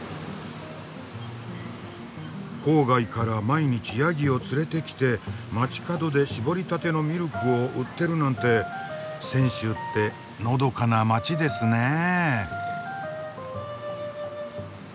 郊外から毎日ヤギを連れてきて街角で搾りたてのミルクを売ってるなんて泉州ってのどかな街ですねえ。